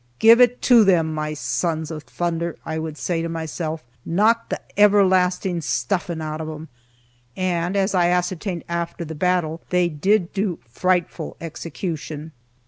"Give it to them, my sons of thunder!" I would say to myself; "Knock the ever lastin' stuffin' out of 'em!" And, as I ascertained after the battle, they did do frightful execution.